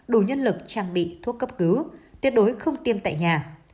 đủ nhân lực trang bị thuốc cấp cứu tuyệt đối không tiêm tại nhà